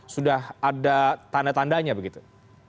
sudah ada tanda tandanya begitu